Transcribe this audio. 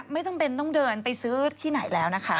ไม่จำเป็นต้องเดินไปซื้อที่ไหนแล้วนะคะ